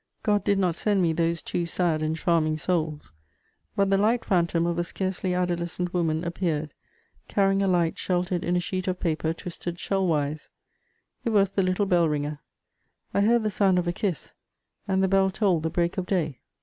God did not send me those two sad and charming souls; but the light phantom of a scarcely adolescent woman appeared carrying a light sheltered in a sheet of paper twisted shell wise: it was the little bell ringer. I heard the sound of a kiss, and the bell tolled the break of day.